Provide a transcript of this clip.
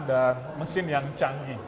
dan mesin yang canggih